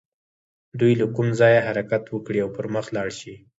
دوی له کوم ځايه حرکت وکړي او پر مخ لاړ شي.